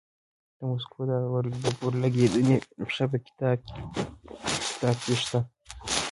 د مسکو د اور لګېدنې پېښه په کتاب کې شته.